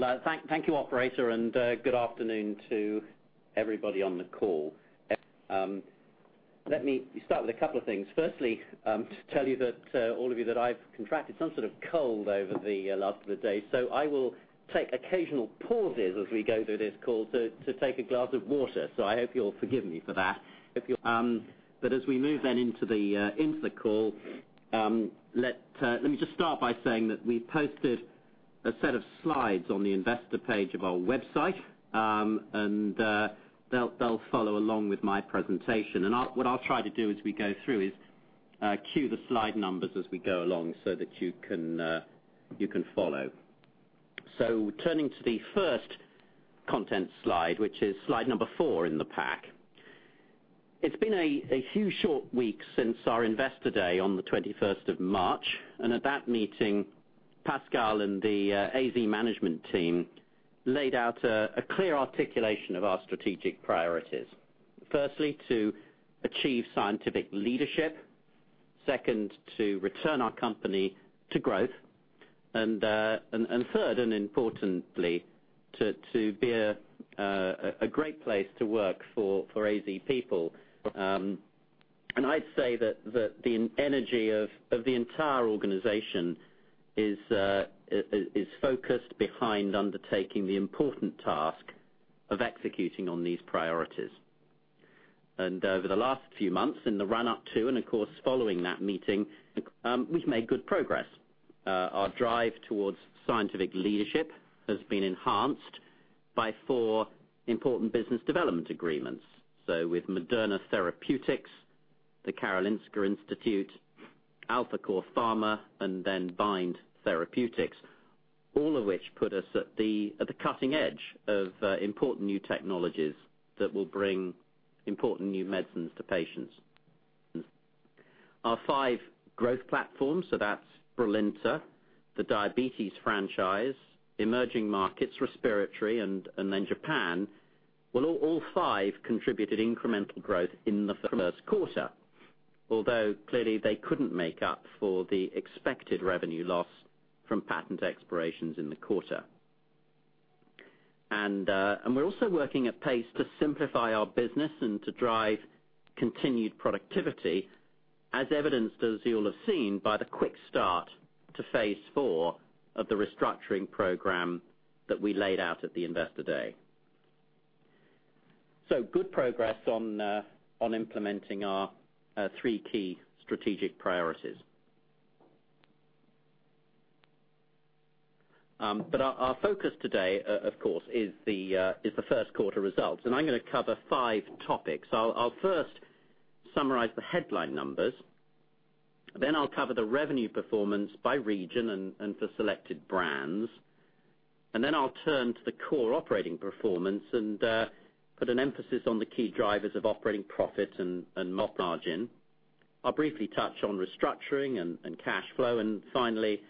Well, thank you operator and good afternoon to everybody on the call. Let me start with a couple of things. Firstly, to tell you that all of you that I've contracted some sort of cold over the last of the day. I will take occasional pauses as we go through this call to take a glass of water. I hope you'll forgive me for that. As we move then into the call, let me just start by saying that we posted a set of slides on the investor page of our website. They'll follow along with my presentation. I'll try to do as we go through is cue the slide numbers as we go along so that you can follow. Turning to the first content slide, which is slide number four in the pack. It's been a few short weeks since our investor day on the 21st of March. At that meeting, Pascal and the AZ management team laid out a clear articulation of our strategic priorities. Firstly, to achieve scientific leadership. Second, to return our company to growth. Third, and importantly, to be a great place to work for AZ people. I'd say that the energy of the entire organization is focused behind undertaking the important task of executing on these priorities. Over the last few months in the run-up to, and of course, following that meeting, we've made good progress. Our drive towards scientific leadership has been enhanced by four important business development agreements. With Moderna Therapeutics, the Karolinska Institutet, AlphaCore Pharma, and BIND Therapeutics, all of which put us at the cutting edge of important new technologies that will bring important new medicines to patients. Our five growth platforms, so that's BRILINTA, the diabetes franchise, emerging markets, respiratory, and then Japan. All five contributed incremental growth in the first quarter. Although, clearly, they couldn't make up for the expected revenue loss from patent expirations in the quarter. We're also working at pace to simplify our business and to drive continued productivity as evidenced, as you'll have seen, by the quick start to phase IV of the restructuring program that we laid out at the investor day. Good progress on implementing our three key strategic priorities. Our focus today, of course, is the first quarter results, and I'm gonna cover five topics. I'll first summarize the headline numbers, then I'll cover the revenue performance by region and for selected brands. I'll turn to the core operating performance and put an emphasis on the key drivers of operating profit and margin. I'll briefly touch on restructuring and cash flow. Finally,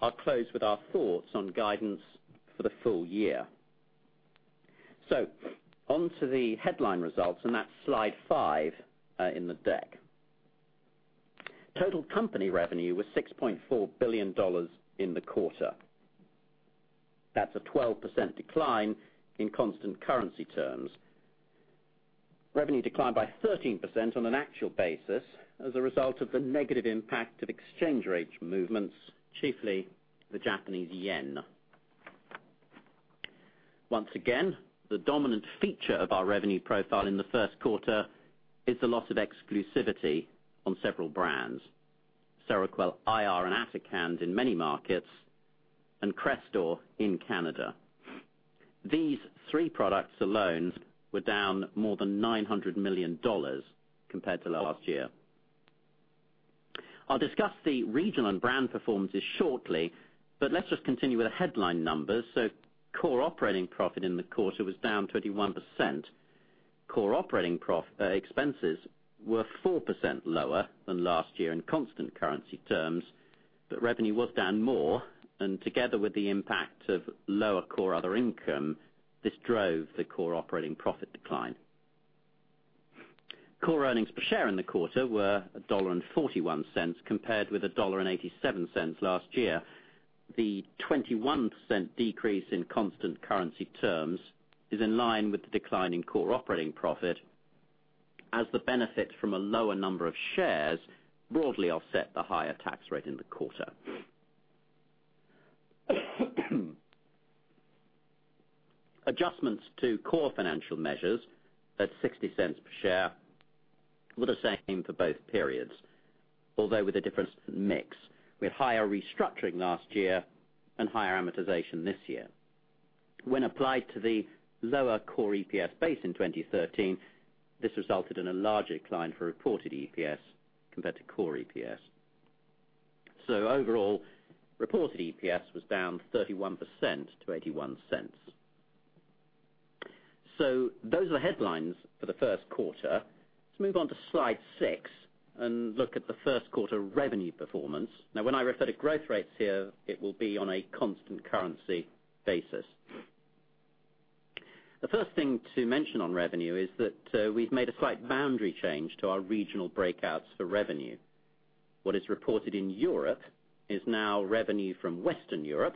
I'll close with our thoughts on guidance for the full year. Onto the headline results, and that's slide five in the deck. Total company revenue was $6.4 billion in the quarter. That's a 12% decline in constant currency terms. Revenue declined by 13% on an actual basis as a result of the negative impact of exchange rate movements, chiefly the Japanese yen. Once again, the dominant feature of our revenue profile in the first quarter is the loss of exclusivity on several brands, Seroquel IR and Atacand in many markets, and CRESTOR in Canada. These three products alone were down more than $900 million compared to last year. I'll discuss the regional and brand performances shortly, but let's just continue with the headline numbers. Core operating profit in the quarter was down 21%. Core operating expenses were 4% lower than last year in constant currency terms, but revenue was down more. Together with the impact of lower core other income, this drove the core operating profit decline. Core EPS in the quarter were $1.41 compared with $1.87 last year. The 21% decrease in constant currency terms is in line with the decline in core operating profit as the benefit from a lower number of shares broadly offset the higher tax rate in the quarter. Adjustments to core financial measures at $0.60 per share were the same for both periods, although with a different mix, with higher restructuring last year and higher amortization this year. When applied to the lower core EPS base in 2013, this resulted in a larger decline for reported EPS compared to core EPS. Overall, reported EPS was down 31% to $0.81. Those are the headlines for the first quarter. Let's move on to slide six and look at the first quarter revenue performance. When I refer to growth rates here, it will be on a constant currency basis. The first thing to mention on revenue is that we've made a slight boundary change to our regional breakouts for revenue. What is reported in Europe is now revenue from Western Europe,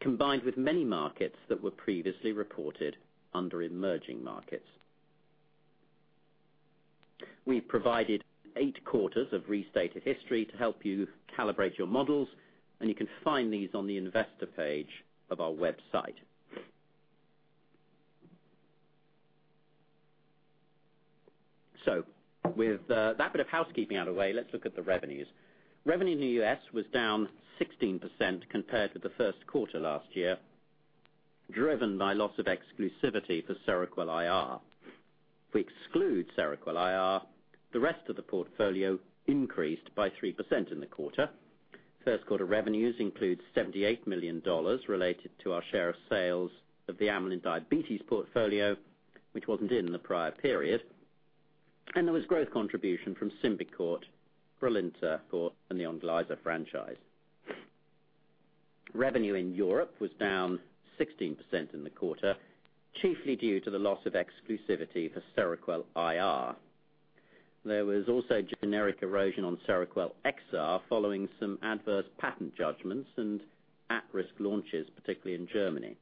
combined with many markets that were previously reported under emerging markets. We've provided eight quarters of restated history to help you calibrate your models, and you can find these on the investor page of our website. With that bit of housekeeping out of the way, let's look at the revenues. Revenue in the U.S. was down 16% compared to the first quarter last year, driven by loss of exclusivity for Seroquel IR. If we exclude Seroquel IR, the rest of the portfolio increased by 3% in the quarter. First quarter revenues include $78 million related to our share of sales of the Amylin diabetes portfolio, which wasn't in the prior period. There was growth contribution from SYMBICORT, BRILINTA, and the ONGLYZA franchise. Revenue in Europe was down 16% in the quarter, chiefly due to the loss of exclusivity for Seroquel IR. There was also generic erosion on Seroquel XR following some adverse patent judgments and at-risk launches, particularly in Germany.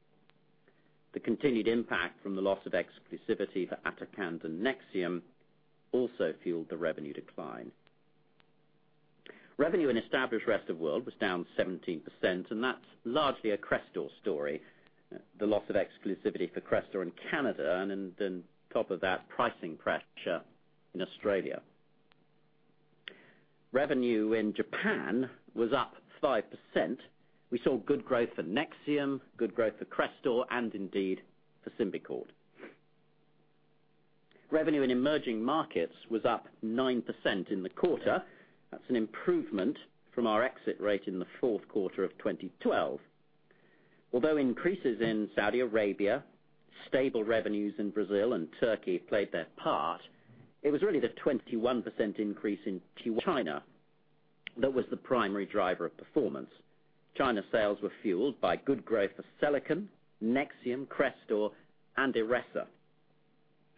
The continued impact from the loss of exclusivity for Atacand and NEXIUM also fueled the revenue decline. Revenue in established rest of world was down 17%, and that's largely a CRESTOR story. The loss of exclusivity for CRESTOR in Canada, and then on top of that, pricing pressure in Australia. Revenue in Japan was up 5%. We saw good growth for NEXIUM, good growth for CRESTOR, and indeed for SYMBICORT. Revenue in emerging markets was up 9% in the quarter. That's an improvement from our exit rate in the fourth quarter of 2012. Although increases in Saudi Arabia, stable revenues in Brazil and Turkey played their part, it was really the 21% increase in China that was the primary driver of performance. China's sales were fueled by good growth of Seloken, NEXIUM, CRESTOR, and IRESSA.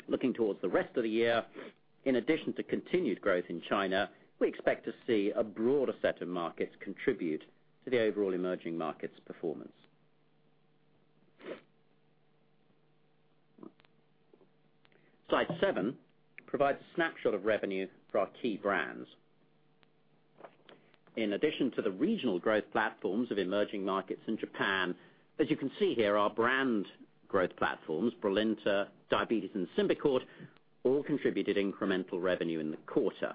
Looking towards the rest of the year, in addition to continued growth in China, we expect to see a broader set of markets contribute to the overall emerging markets performance. Slide seven provides a snapshot of revenue for our key brands. In addition to the regional growth platforms of emerging markets in Japan, as you can see here, our brand growth platforms, BRILINTA, Diabetes, and SYMBICORT, all contributed incremental revenue in the quarter.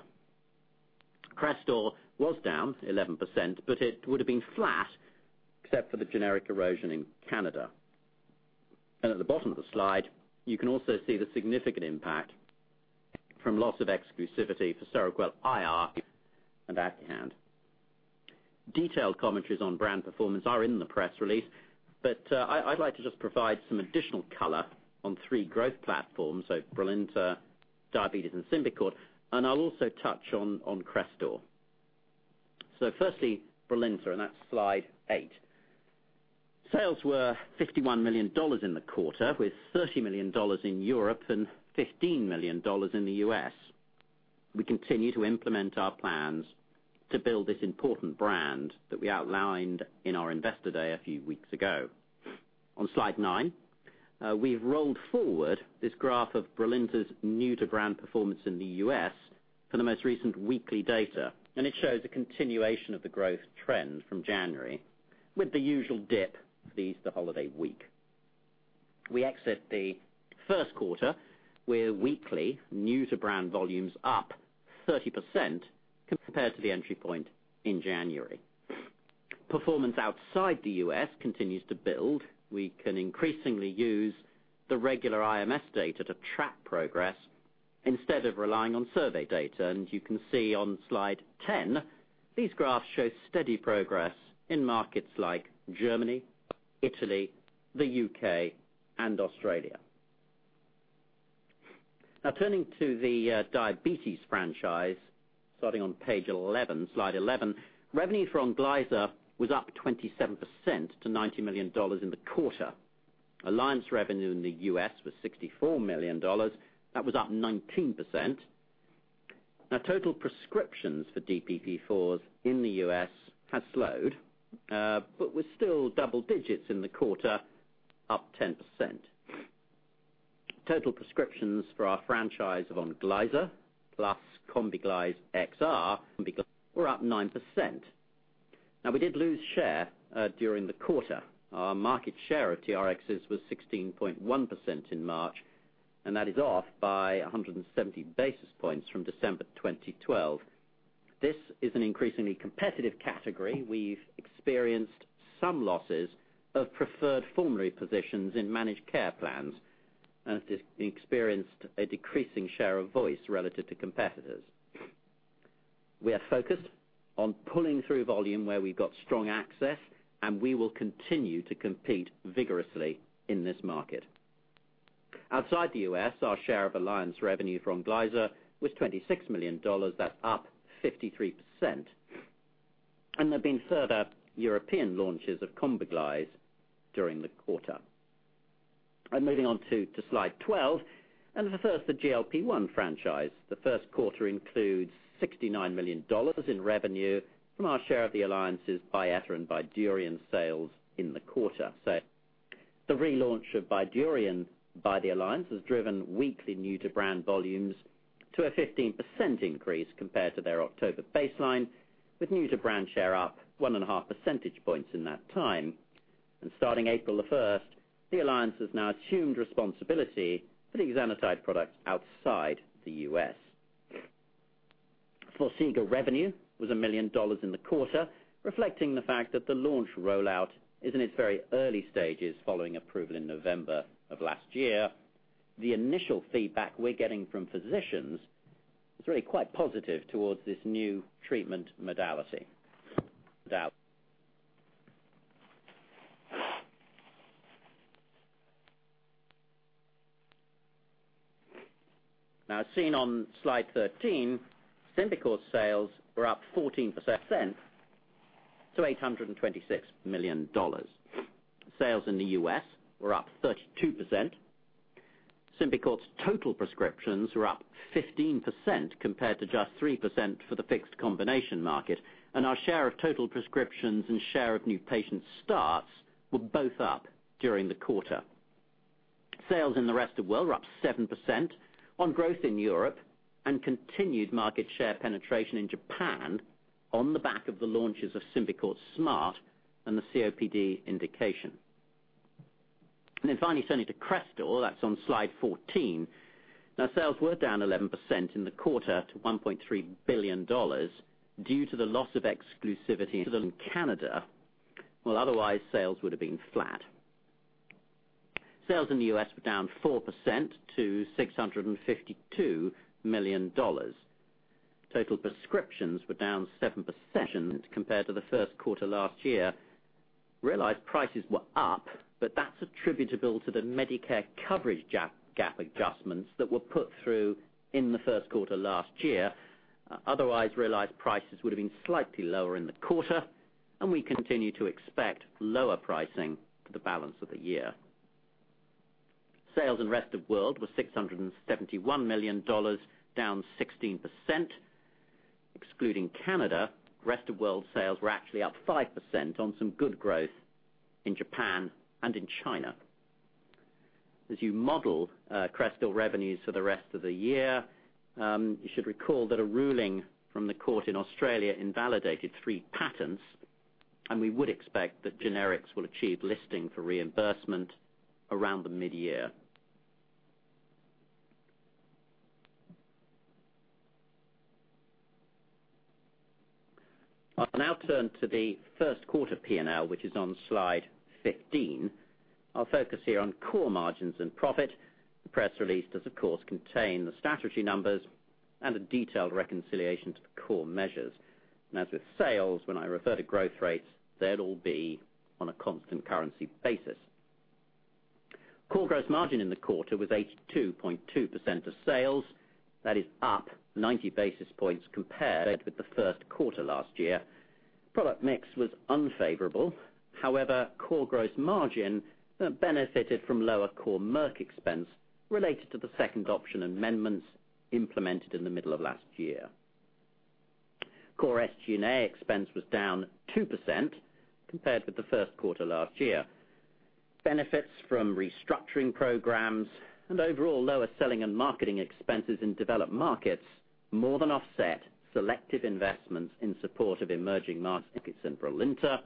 CRESTOR was down 11%, but it would have been flat except for the generic erosion in Canada. At the bottom of the slide, you can also see the significant impact from loss of exclusivity for Seroquel IR and Atacand. Detailed commentaries on brand performance are in the press release, but I'd like to just provide some additional color on three growth platforms, BRILINTA, Diabetes and SYMBICORT, and I'll also touch on CRESTOR. Firstly, BRILINTA, and that's slide eight. Sales were $51 million in the quarter, with $30 million in Europe and $15 million in the U.S. We continue to implement our plans to build this important brand that we outlined in our Investor Day a few weeks ago. On slide nine, we've rolled forward this graph of BRILINTA's new-to-brand performance in the U.S. for the most recent weekly data. It shows a continuation of the growth trend from January, with the usual dip for the Easter holiday week. We exit the first quarter with weekly new-to-brand volumes up 30% compared to the entry point in January. Performance outside the U.S. continues to build. We can increasingly use the regular IMS data to track progress instead of relying on survey data. You can see on slide 10, these graphs show steady progress in markets like Germany, Italy, the U.K., and Australia. Turning to the diabetes franchise, starting on page 11, slide 11, revenue for ONGLYZA was up 27% to $90 million in the quarter. Alliance revenue in the U.S. was $64 million. That was up 19%. Total prescriptions for DPP-4s in the U.S. has slowed, but was still double digits in the quarter, up 10%. Total prescriptions for our franchise of ONGLYZA, plus KOMBIGLYZE XR, were up 9%. We did lose share during the quarter. Our market share of TRXs was 16.1% in March, and that is off by 170 basis points from December 2012. This is an increasingly competitive category. We've experienced some losses of preferred formulary positions in managed care plans, and have experienced a decreasing share of voice relative to competitors. We are focused on pulling through volume where we've got strong access, and we will continue to compete vigorously in this market. Outside the U.S., our share of alliance revenue for ONGLYZA was $26 million. That's up 53%. There have been further European launches of KOMBIGLYZE during the quarter. Moving on to Slide 12, at first the GLP-1 franchise. The first quarter includes $69 million in revenue from our share of the alliances, BYETTA and BYDUREON sales in the quarter. The relaunch of BYDUREON by the alliance has driven weekly new-to-brand volumes to a 15% increase compared to their October baseline, with new-to-brand share up 1.5 percentage points in that time. Starting April the 1st, the alliance has now assumed responsibility for the exenatide products outside the U.S. FORXIGA revenue was $1 million in the quarter, reflecting the fact that the launch rollout is in its very early stages following approval in November of last year. The initial feedback we're getting from physicians is really quite positive towards this new treatment modality. As seen on slide 13, SYMBICORT sales were up 14% to $826 million. Sales in the U.S. were up 32%. SYMBICORT's total prescriptions were up 15% compared to just 3% for the fixed combination market. Our share of total prescriptions and share of new patient starts were both up during the quarter. Sales in the rest of world were up 7% on growth in Europe and continued market share penetration in Japan on the back of the launches of Symbicort SMART and the COPD indication. Finally, turning to CRESTOR, that's on slide 14. Sales were down 11% in the quarter to $1.3 billion due to the loss of exclusivity in Canada, well, otherwise sales would have been flat. Sales in the U.S. were down 4% to $652 million. Total prescriptions were down 7% compared to the first quarter last year. Realized prices were up, but that's attributable to the Medicare coverage gap adjustments that were put through in the first quarter last year. Otherwise, realized prices would have been slightly lower in the quarter, and we continue to expect lower pricing for the balance of the year. Sales in rest of world were $671 million, down 16%. Excluding Canada, rest of world sales were actually up 5% on some good growth in Japan and in China. As you model CRESTOR revenues for the rest of the year, you should recall that a ruling from the court in Australia invalidated three patents. We would expect that generics will achieve listing for reimbursement around the mid-year. I'll now turn to the first quarter P&L, which is on slide 15. I'll focus here on core margins and profit. The press release does, of course, contain the statutory numbers and a detailed reconciliation to the core measures. As with sales, when I refer to growth rates, they'll all be on a constant currency basis. Core gross margin in the quarter was 82.2% of sales. That is up 90 basis points compared with the first quarter last year. Product mix was unfavorable. However, core gross margin benefited from lower core Merck expense related to the second option amendments implemented in the middle of last year. Core SG&A expense was down 2% compared with the first quarter last year. Benefits from restructuring programs and overall lower selling and marketing expenses in developed markets more than offset selective investments in support of emerging markets in BRILINTA,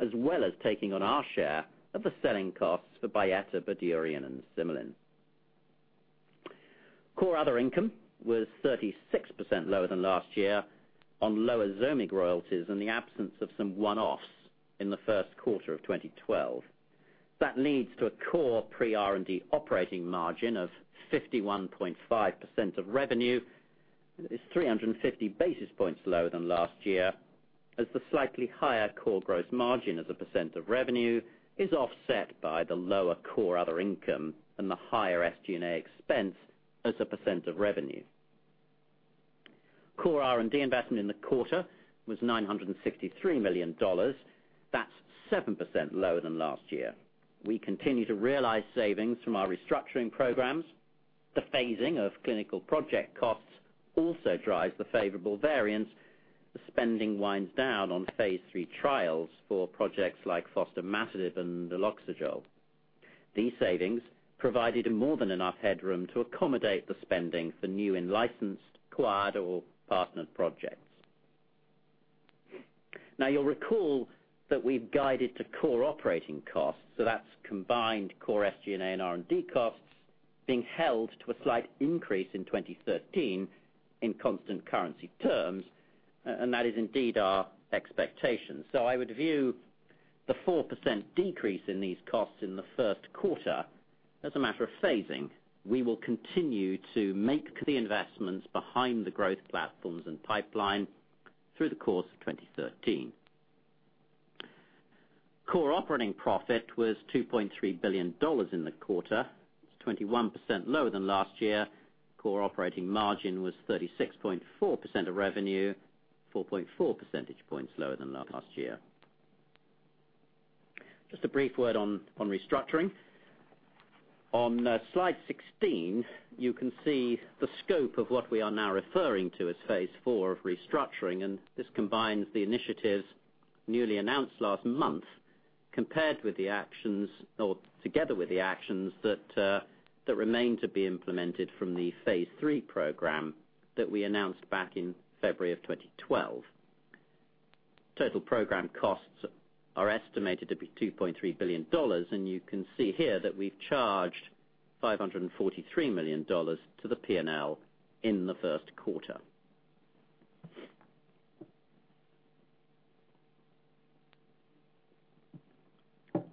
as well as taking on our share of the selling costs for BYETTA, BYDUREON, and SYMLIN. Core other income was 36% lower than last year on lower ZOMIG royalties and the absence of some one-offs in the first quarter of 2012. That leads to a core pre-R&D operating margin of 51.5% of revenue. That is 350 basis points lower than last year, as the slightly higher core gross margin as a percent of revenue is offset by the lower core other income and the higher SG&A expense as a percent of revenue. Core R&D investment in the quarter was $963 million. That's 7% lower than last year. We continue to realize savings from our restructuring programs. The phasing of clinical project costs also drives the favorable variance. The spending winds down on phase III trials for projects like fostamatinib and naloxegol. These savings provided more than enough headroom to accommodate the spending for new and licensed, acquired, or partnered projects. Now, you'll recall that we've guided to core operating costs, so that's combined core SG&A and R&D costs being held to a slight increase in 2013 in constant currency terms, and that is indeed our expectation. I would view the 4% decrease in these costs in the first quarter as a matter of phasing. We will continue to make the investments behind the growth platforms and pipeline through the course of 2013. Core operating profit was $2.3 billion in the quarter. It's 21% lower than last year. Core operating margin was 36.4% of revenue, 4.4 percentage points lower than last year. Just a brief word on restructuring. On slide 16, you can see the scope of what we are now referring to as phase IV of restructuring, and this combines the initiatives newly announced last month compared with the actions or together with the actions that remain to be implemented from the phase III program that we announced back in February of 2012. Total program costs are estimated to be $2.3 billion, and you can see here that we've charged $543 million to the P&L in the first quarter.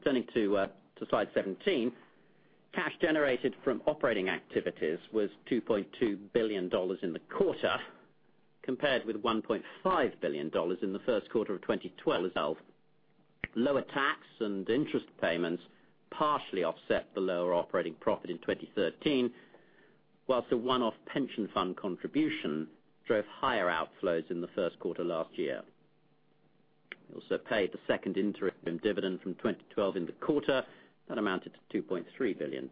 Turning to slide 17. Cash generated from operating activities was $2.2 billion in the quarter compared with $1.5 billion in the first quarter of 2012. Lower tax and interest payments partially offset the lower operating profit in 2013, whilst a one-off pension fund contribution drove higher outflows in the first quarter last year. We also paid the second interim dividend from 2012 in the quarter. That amounted to $2.3 billion.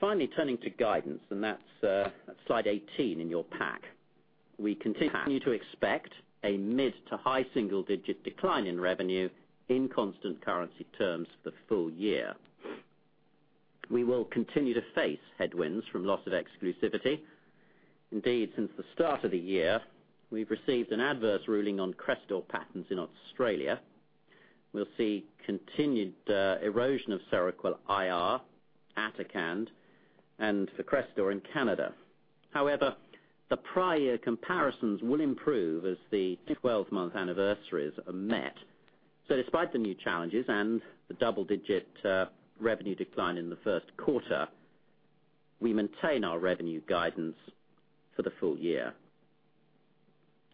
Finally turning to guidance, and that's slide 18 in your pack. We continue to expect a mid to high single-digit decline in revenue in constant currency terms for the full year. We will continue to face headwinds from loss of exclusivity. Indeed, since the start of the year, we've received an adverse ruling on CRESTOR patents in Australia. We'll see continued erosion of Seroquel IR, Atacand, and for CRESTOR in Canada. However, the prior comparisons will improve as the 12-month anniversaries are met. Despite the new challenges and the double-digit revenue decline in the first quarter, we maintain our revenue guidance for the full year.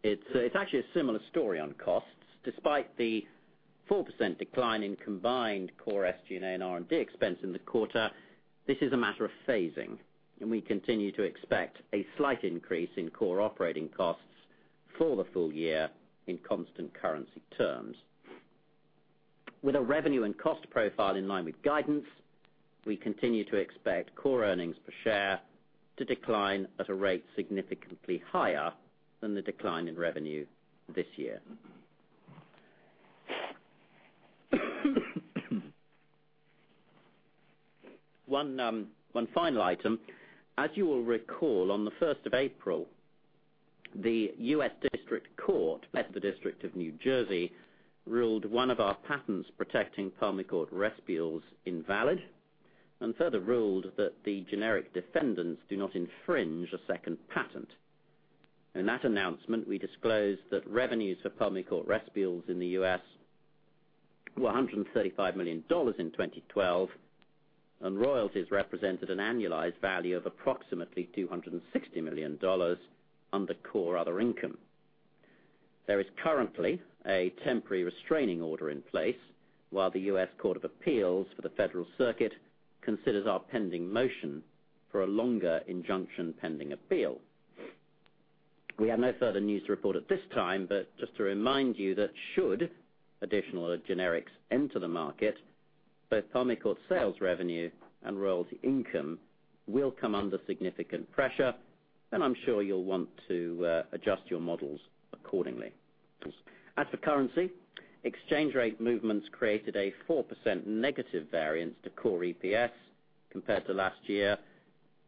It's actually a similar story on costs. Despite the 4% decline in combined core SG&A and R&D expense in the quarter, this is a matter of phasing, and we continue to expect a slight increase in core operating costs for the full year in constant currency terms. With a revenue and cost profile in line with guidance, we continue to expect core earnings per share to decline at a rate significantly higher than the decline in revenue this year. One final item. As you will recall, on the 1st of April, the U.S. District Court for the District of New Jersey ruled one of our patents protecting PULMICORT RESPULES invalid, and further ruled that the generic defendants do not infringe a second patent. In that announcement, we disclosed that revenues for PULMICORT RESPULES in the U.S. were $135 million in 2012, royalties represented an annualized value of approximately $260 million under core other income. There is currently a temporary restraining order in place while the U.S. Court of Appeals for the Federal Circuit considers our pending motion for a longer injunction pending appeal. We have no further news to report at this time, just to remind you that should additional generics enter the market, both PULMICORT sales revenue and royalty income will come under significant pressure, I'm sure you'll want to adjust your models accordingly. As for currency, exchange rate movements created a 4% negative variance to core EPS compared to last year,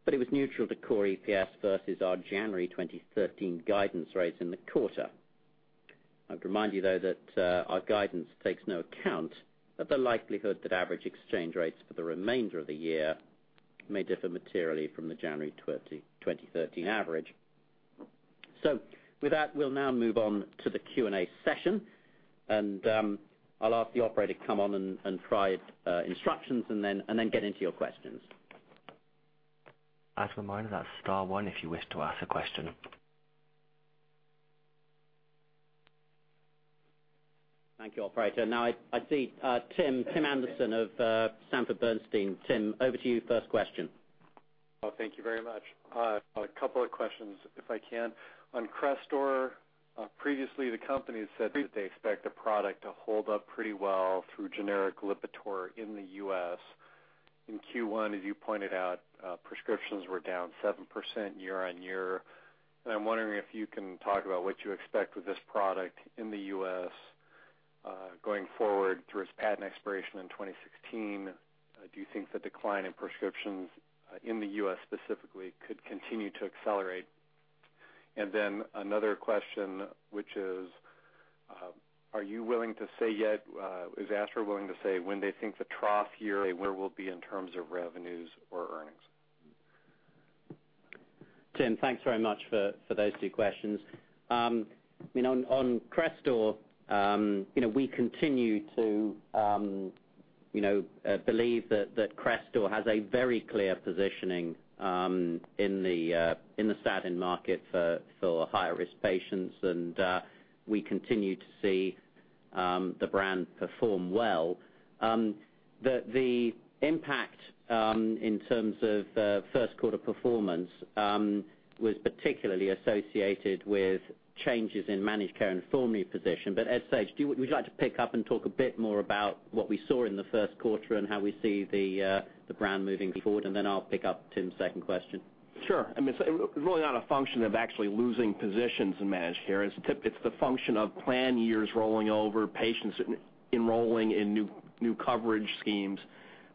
it was neutral to core EPS versus our January 2013 guidance rates in the quarter. I'd remind you, though, that our guidance takes no account of the likelihood that average exchange rates for the remainder of the year may differ materially from the January 2013 average. With that, we'll now move on to the Q&A session. I'll ask the operator to come on and try instructions then get into your questions. As a reminder, that's star one if you wish to ask a question. Thank you, operator. Now I see Tim Anderson of Sanford Bernstein. Tim, over to you, first question. Thank you very much. A couple of questions, if I can. On CRESTOR, previously the company said that they expect the product to hold up pretty well through generic LIPITOR in the U.S. In Q1, as you pointed out, prescriptions were down 7% year-on-year. I'm wondering if you can talk about what you expect with this product in the U.S. going forward through its patent expiration in 2016. Do you think the decline in prescriptions in the U.S. specifically could continue to accelerate? Another question, which is, are you willing to say yet, is Astra willing to say when they think the trough year, where we'll be in terms of revenues or earnings? Tim, thanks very much for those two questions. On CRESTOR, you know, we continue to believe that CRESTOR has a very clear positioning in the statin market for higher risk patients. We continue to see the brand perform well. The impact in terms of first quarter performance was particularly associated with changes in managed care and formulary position. As Ed Seage, would you like to pick up and talk a bit more about what we saw in the first quarter and how we see the brand moving forward? I'll pick up Tim's second question. Sure. I mean, it's really not a function of actually losing positions in managed care. It's the function of plan years rolling over, patients enrolling in new coverage schemes.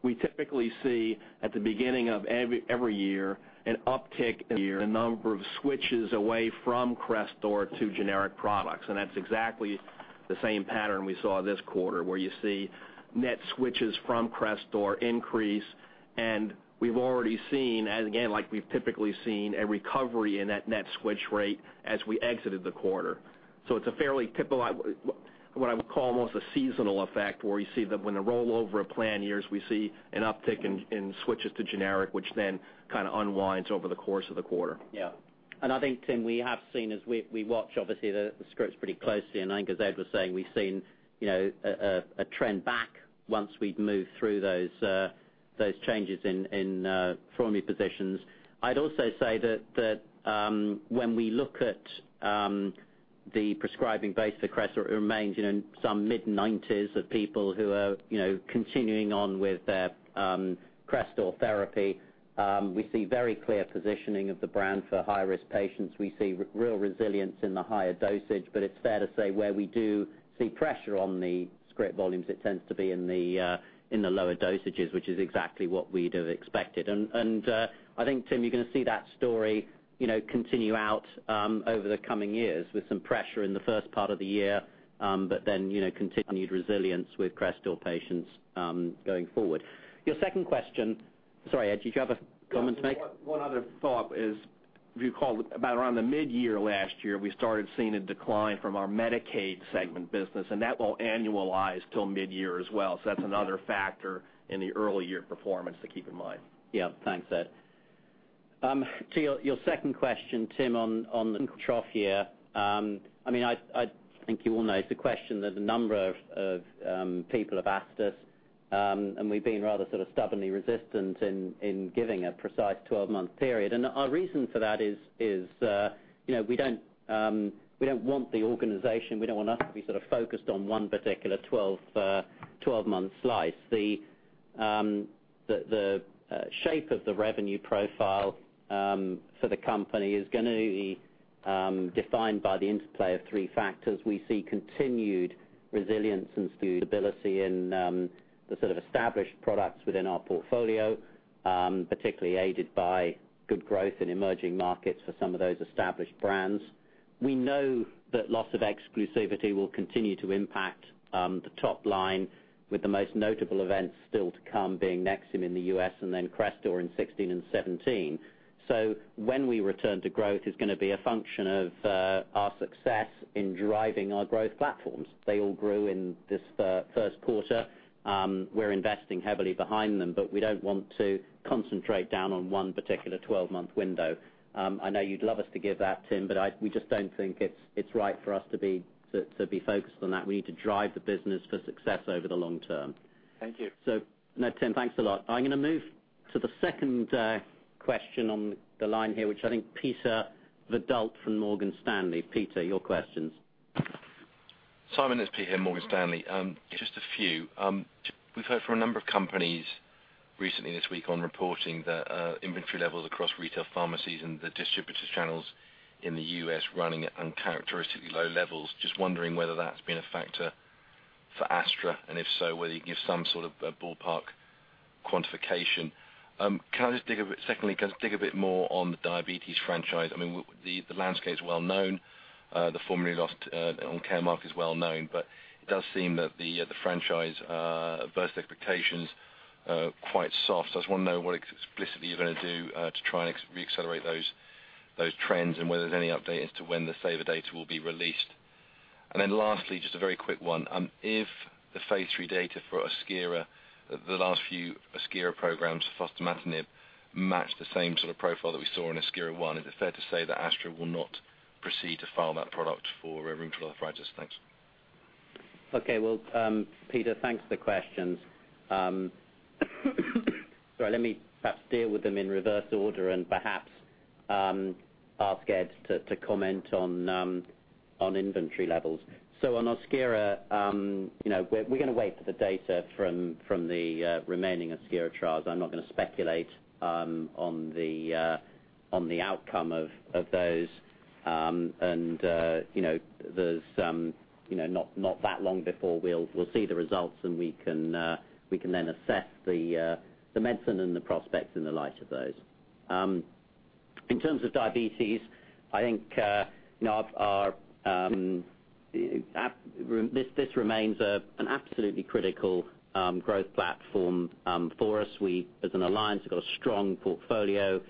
We typically see at the beginning of every year an uptick in the number of switches away from CRESTOR to generic products. That's exactly the same pattern we saw this quarter, where you see net switches from CRESTOR increase. We've already seen, as again, like we've typically seen, a recovery in that net switch rate as we exited the quarter. It's a fairly typical, what I would call almost a seasonal effect, where you see that when the rollover of plan years, we see an uptick in switches to generic, which then kinda unwinds over the course of the quarter. I think, Tim, we have seen as we watch obviously the scripts pretty closely, and I think as Ed was saying, we've seen a trend back once we'd moved through those changes in formulary positions. I'd also say that when we look at the prescribing base of CRESTOR, it remains in some mid-nineties of people who are continuing on with their CRESTOR therapy. We see very clear positioning of the brand for high-risk patients. We see real resilience in the higher dosage. It's fair to say where we do see pressure on the script volumes, it tends to be in the lower dosages, which is exactly what we'd have expected. I think, Tim, you're gonna see that story, you know, continue out over the coming years with some pressure in the first part of the year, but then, you know, continued resilience with CRESTOR patients going forward. Your second question. Sorry, Ed, did you have a comment to make? One other thought is, if you recall, about around the mid-year last year, we started seeing a decline from our Medicaid segment business, and that won't annualize till mid-year as well. That's another factor in the early year performance to keep in mind. Yeah. Thanks, Ed. To your second question, Tim, on the trough year. I mean, I think you all know it's a question that a number of people have asked us, and we've been rather sort of stubbornly resistant in giving a precise 12-month period. Our reason for that is, you know, we don't, we don't want the organization, we don't want us to be sort of focused on one particular 12-month slice. The shape of the revenue profile for the company is gonna be defined by the interplay of three factors. We see continued resilience and stability in the sort of established products within our portfolio, particularly aided by good growth in emerging markets for some of those established brands. We know that loss of exclusivity will continue to impact the top line, with the most notable events still to come being NEXIUM in the U.S. and then CRESTOR in 2016 and 2017. When we return to growth is gonna be a function of our success in driving our growth platforms. They all grew in this first quarter. We're investing heavily behind them, but we don't want to concentrate down on one particular 12-month window. I know you'd love us to give that, Tim, but we just don't think it's right for us to be focused on that. We need to drive the business for success over the long term. Thank you. No, Tim Anderson, thanks a lot. I'm gonna move to the second question on the line here, which I think Peter Verdult from Morgan Stanley. Peter, your questions. Simon, it's Peter Verdult, Morgan Stanley. Just a few. We've heard from a number of companies recently this week on reporting the inventory levels across retail pharmacies and the distributor channels in the U.S. running at uncharacteristically low levels. Just wondering whether that's been a factor for Astra, and if so, whether you can give some sort of a ballpark quantification. Secondly, can I just dig a bit more on the diabetes franchise? I mean, the landscape is well known, the formulary lost on Caremark is well known, it does seem that the franchise versus expectations quite soft. I just wanna know what explicitly you're gonna do to try and re-accelerate those trends and whether there's any update as to when the SAVOR data will be released. Lastly, just a very quick one. If the phase III data for OSKIRA, the last few OSKIRA programs, fostamatinib, match the same sort of profile that we saw in OSKIRA 1, is it fair to say that Astra will not proceed to file that product for rheumatoid arthritis? Thanks. Well, Peter, thanks for the questions. Sorry, let me perhaps deal with them in reverse order and perhaps ask Ed to comment on inventory levels. On OSKIRA, you know, we're gonna wait for the data from the remaining OSKIRA trials. I'm not gonna speculate on the outcome of those. And, you know, there's, you know, not that long before we'll see the results, and we can then assess the medicine and the prospects in the light of those. In terms of diabetes, I think, you know, our, this remains an absolutely critical growth platform for us. We, as an alliance, have got a strong portfolio.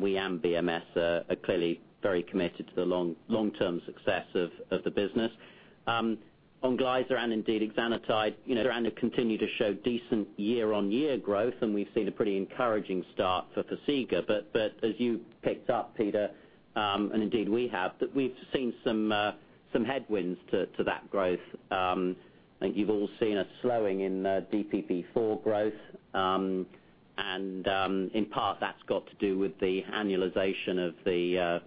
We and BMS are clearly very committed to the long-term success of the business. On ONGLYZA and indeed exenatide, you know, they're going to continue to show decent year-on-year growth, and we've seen a pretty encouraging start for FORXIGA. As you picked up, Peter Verdult, and indeed we have, that we've seen some headwinds to that growth. I think you've all seen a slowing in DPP-4 growth. In part that's got to do with the annualization of the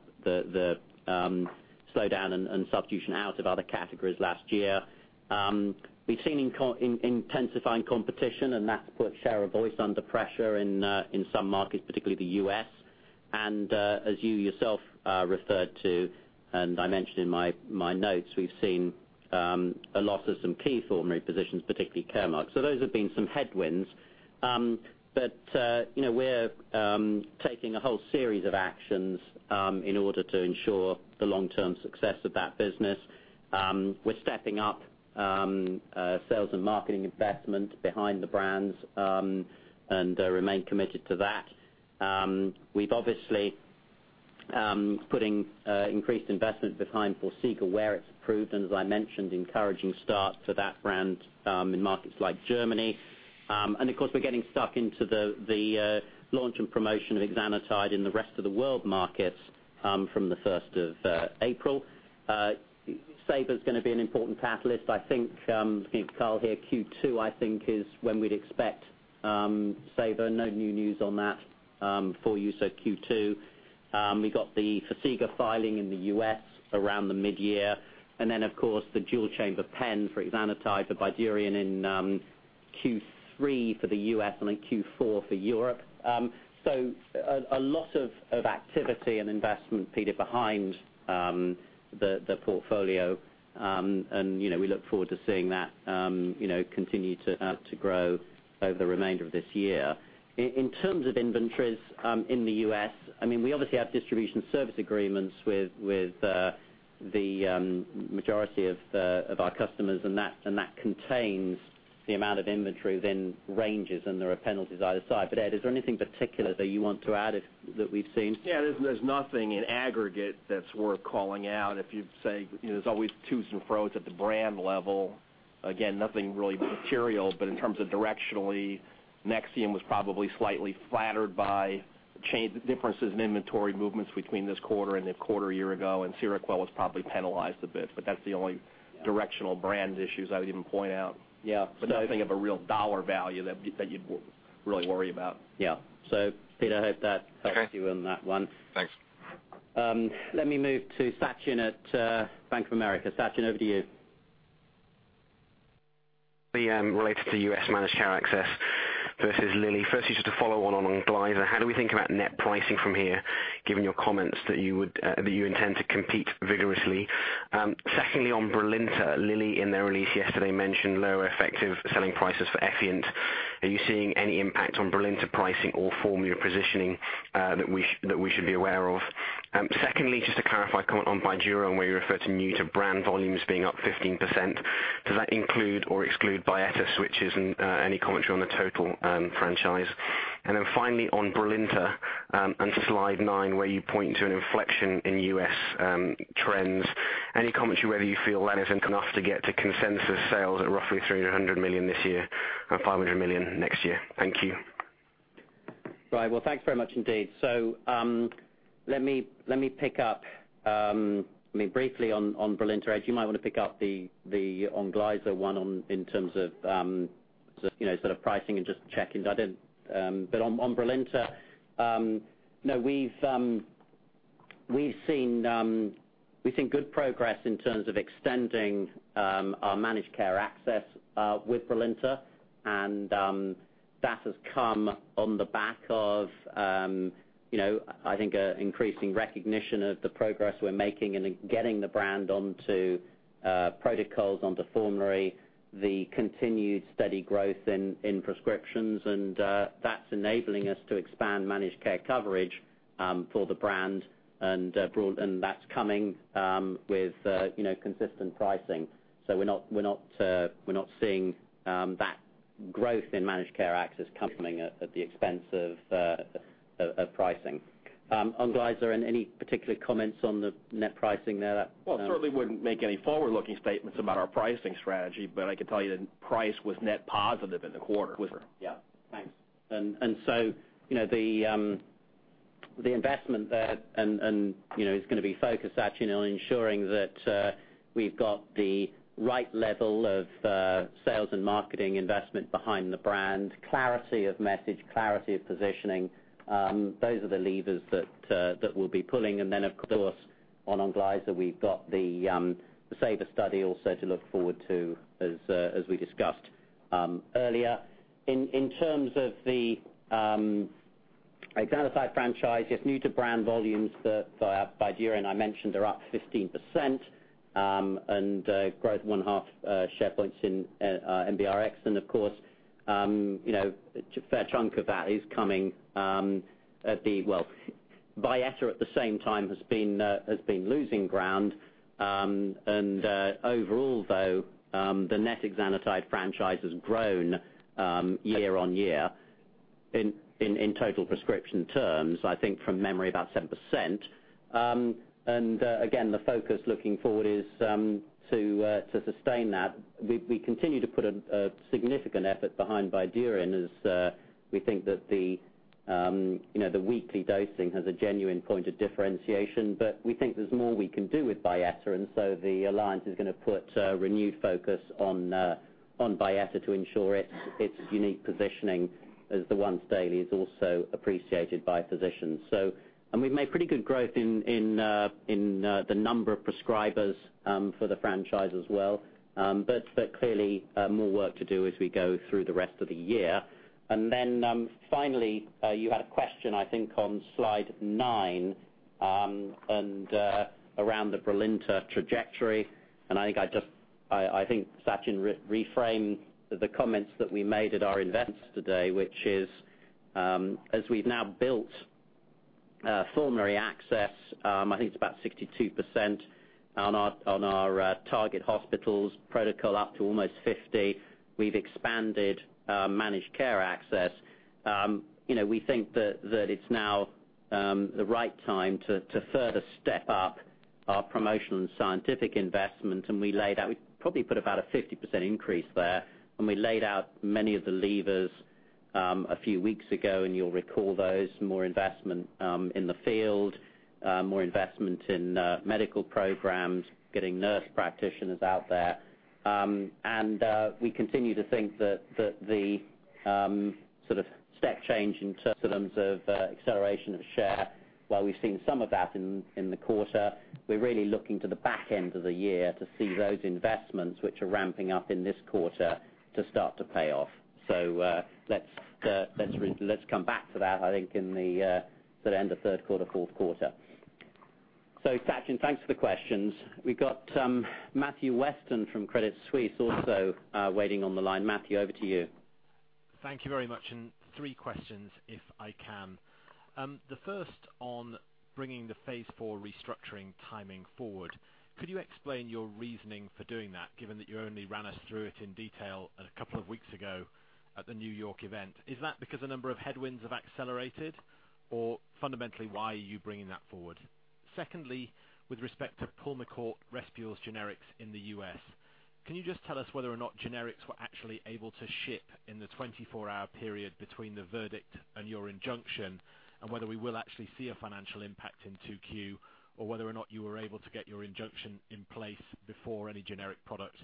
slowdown and substitution out of other categories last year. We've seen intensifying competition, and that's put share of voice under pressure in some markets, particularly the U.S. As you yourself referred to, and I mentioned in my notes, we've seen a loss of some key formulary positions, particularly Caremark. Those have been some headwinds. You know, we're taking a whole series of actions in order to ensure the long-term success of that business. We're stepping up sales and marketing investment behind the brands, remain committed to that. We've obviously putting increased investment behind FORXIGA, where it's proved, and as I mentioned, encouraging start for that brand in markets like Germany. Of course, we're getting stuck into the launch and promotion of exenatide in the rest of the world markets from the first of April. SAVOR is gonna be an important catalyst. I think, speaking of Karl here, Q2 is when we'd expect SAVOR. No new news on that for you, Q2. We got the FORXIGA filing in the U.S. around the mid-year. Of course, the dual-chamber pen for exenatide, the BYDUREON in Q3 for the U.S. and in Q4 for Europe. A lot of activity and investment, Peter, behind the portfolio. You know, we look forward to seeing that, you know, continue to grow over the remainder of this year. In terms of inventories in the U.S., I mean, we obviously have distribution service agreements with the majority of our customers, and that contains the amount of inventory within ranges, and there are penalties either side. Ed, is there anything particular that you want to add that we've seen? Yeah. There's nothing in aggregate that's worth calling out. If you'd say, you know, there's always tos and fros at the brand level. Again, nothing really material, but in terms of directionally, NEXIUM was probably slightly flattered by differences in inventory movements between this quarter and the quarter a year ago, and Seroquel was probably penalized a bit, but that's the only directional brand issues I would even point out. Yeah. Nothing of a real dollar value that you'd really worry about. Yeah. Peter, I hope that helps you on that one. Okay. Thanks. Let me move to Sachin at Bank of America. Sachin, over to you. The related to the U.S. managed care access versus Lilly. Firstly, just to follow on ONGLYZA. How do we think about net pricing from here, given your comments that you would that you intend to compete vigorously? Secondly, on BRILINTA. Lilly in their release yesterday mentioned lower effective selling prices for Effient. Are you seeing any impact on BRILINTA pricing or formula positioning that we should be aware of? Secondly, just to clarify a comment on BYDUREON, where you referred to new to brand volumes being up 15%. Does that include or exclude BYETTA switches and any commentary on the total franchise? Finally, on BRILINTA, on slide nine, where you point to an inflection in U.S. trends. Any commentary whether you feel that is enough to get to consensus sales at roughly $300 million this year and $500 million next year? Thank you. Right. Well, thanks very much indeed. Let me pick up, I mean, briefly on BRILINTA. Ed, you might wanna pick up the ONGLYZA one in terms of, you know, sort of pricing and just checking. On BRILINTA, no, we've seen good progress in terms of extending our managed care access with BRILINTA. That has come on the back of, you know, I think an increasing recognition of the progress we're making in getting the brand onto protocols onto formulary, the continued steady growth in prescriptions. That's enabling us to expand managed care coverage for the brand and that's coming with, you know, consistent pricing. We're not seeing that growth in managed care access coming at the expense of pricing. ONGLYZA, any particular comments on the net pricing there that? Well, certainly wouldn't make any forward-looking statements about our pricing strategy. I can tell you that price was net positive in the quarter. Yeah. Thanks. So, you know, the investment there and, you know, is gonna be focused actually on ensuring that we've got the right level of sales and marketing investment behind the brand, clarity of message, clarity of positioning. Those are the levers that we'll be pulling. Of course, on ONGLYZA, we've got the SAVOR study also to look forward to as we discussed earlier. In terms of the exenatide franchise, yes, new to brand volumes for our BYDUREON, I mentioned are up 15%, and growth 0.5 share points in NBRx. Of course, you know, a fair chunk of that is coming, at the Well, BYETTA at the same time has been losing ground. Overall, though, the net exenatide franchise has grown year on year. In total prescription terms, I think from memory about 7%. Again, the focus looking forward is to sustain that. We continue to put a significant effort behind BYDUREON as we think that the, you know, the weekly dosing has a genuine point of differentiation. We think there's more we can do with BYETTA. The alliance is gonna put renewed focus on BYETTA to ensure its unique positioning as the once daily is also appreciated by physicians. We've made pretty good growth in the number of prescribers for the franchise as well. Clearly, more work to do as we go through the rest of the year. Finally, you had a question, I think, on slide nine, and around the BRILINTA trajectory. I think Sachin reframed the comments that we made at our investors today, which is, as we've now built formulary access, I think it's about 62% on our, on our target hospitals protocol up to almost 50. We've expanded managed care access. You know, we think it's now the right time to further step up our promotional and scientific investment. We probably put about a 50% increase there, and we laid out many of the levers a few weeks ago, and you'll recall those. More investment in the field, more investment in medical programs, getting nurse practitioners out there. We continue to think that the sort of step change in terms of acceleration of share, while we've seen some of that in the quarter, we're really looking to the back end of the year to see those investments which are ramping up in this quarter to start to pay off. Let's come back to that, I think, in the sort of end of third quarter, fourth quarter. Sachin, thanks for the questions. We've got Matthew Weston from Credit Suisse also waiting on the line. Matthew, over to you. Thank you very much. three questions, if I can. The first on bringing the phase IV restructuring timing forward. Could you explain your reasoning for doing that, given that you only ran us through it in detail a couple of weeks ago at the New York event? Is that because a number of headwinds have accelerated, or fundamentally, why are you bringing that forward? Secondly, with respect to PULMICORT RESPULES generics in the U.S., can you just tell us whether or not generics were actually able to ship in the 24-hour period between the verdict and your injunction, and whether we will actually see a financial impact in 2Q or whether or not you were able to get your injunction in place before any generic product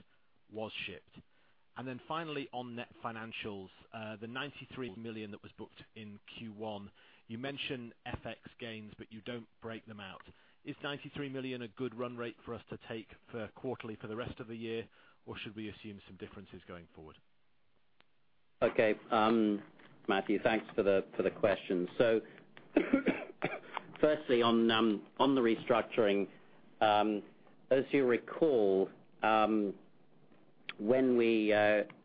was shipped? Finally, on net financials, the $93 million that was booked in Q1, you mention FX gains, but you don't break them out. Is $93 million a good run rate for us to take for quarterly for the rest of the year, or should we assume some differences going forward? Matthew, thanks for the questions. Firstly, on the restructuring, as you recall, when we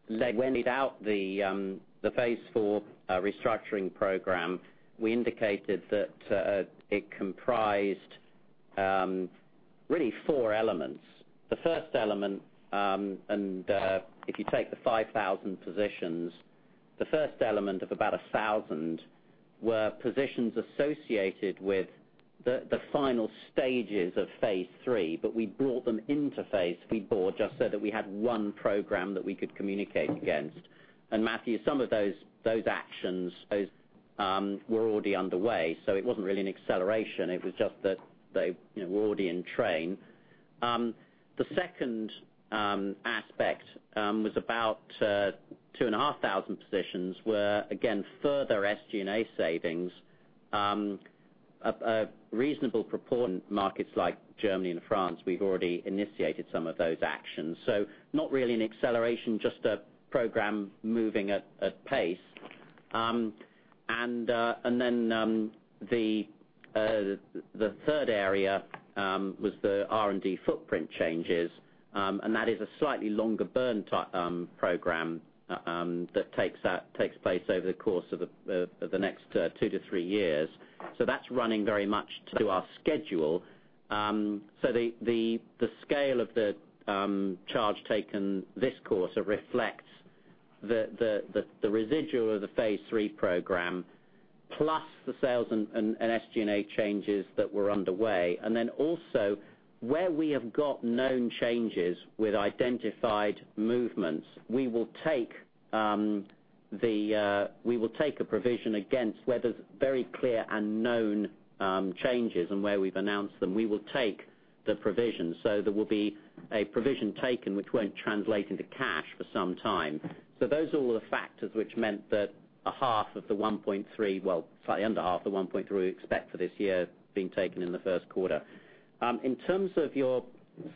laid out the phase IV restructuring program, we indicated that it comprised really four elements. The first element, if you take the 5,000 positions, the first element of about 1,000 were positions associated with the final stages of phase III, but we brought them into phase IV board just so that we had one program that we could communicate against. Matthew, some of those actions, those were already underway, so it wasn't really an acceleration. It was just that they, you know, were already in train. The second aspect was about 2,500 positions were again further SG&A savings.. Firstly, on the restructuring, as you recall, when we laid out the phase IV restructuring program, we indicated that it comprised really four elements. The first element, if you take the 5,000 positions, the first ele A reasonable proportion markets like Germany and France, we've already initiated some of those actions. Not really an acceleration, just a program moving at pace. The third area was the R&D footprint changes. That is a slightly longer burn type program that takes place over the course of the next two to three years. That's running very much to our schedule. The scale of the charge taken this quarter reflects the residual of the phase III program, plus the sales and SG&A changes that were underway. Where we have got known changes with identified movements, we will take a provision against where there's very clear and known changes and where we've announced them, we will take the provision. There will be a provision taken which won't translate into cash for some time. Those are all the factors which meant that a half of the 1.3, well, slightly under half the 1.3 we expect for this year being taken in the first quarter. In terms of your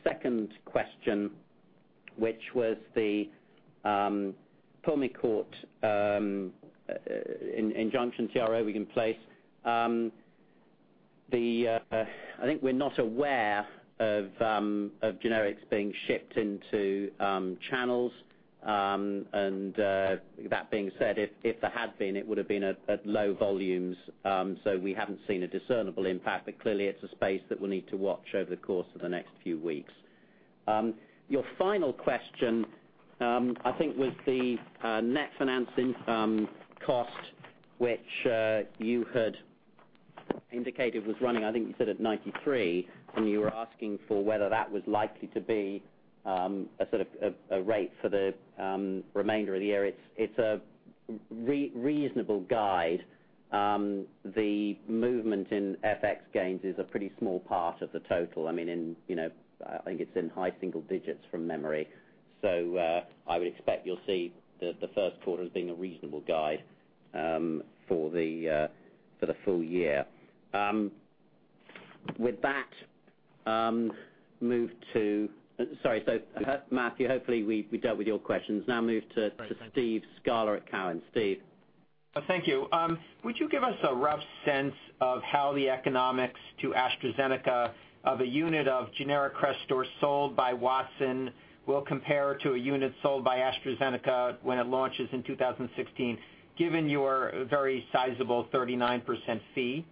second question, which was the Pulmicort injunction TRO we can place, I think we're not aware of generics being shipped into channels. That being said, if there had been, it would've been at low volumes. We haven't seen a discernible impact, but clearly it's a space that we'll need to watch over the course of the next few weeks. Your final question, I think was the net financing cost, which you had indicated was running, I think you said at $93, and you were asking for whether that was likely to be a sort of a rate for the remainder of the year. It's a reasonable guide. The movement in FX gains is a pretty small part of the total. I mean, you know, I think it's in high single digits from memory. I would expect you'll see the first quarter as being a reasonable guide for the full year. With that, move to Sorry. Matthew, hopefully we dealt with your questions. Now move to- Thanks. Steve Scala at Cowen. Steve. Thank you. Would you give us a rough sense of how the economics to AstraZeneca of a unit of generic CRESTOR sold by Watson will compare to a unit sold by AstraZeneca when it launches in 2016, given your very sizable 39% fee?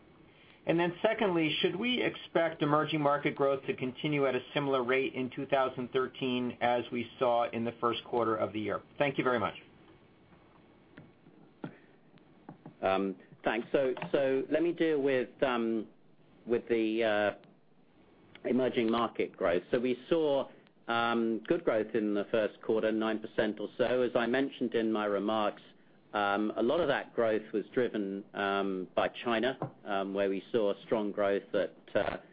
Secondly, should we expect emerging market growth to continue at a similar rate in 2013 as we saw in the first quarter of the year? Thank you very much. Thanks. Let me deal with the emerging market growth. We saw good growth in the first quarter, 9% or so. As I mentioned in my remarks, a lot of that growth was driven by China, where we saw strong growth at